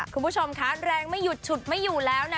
คุณผู้ชมคะแรงไม่หยุดฉุดไม่อยู่แล้วนะ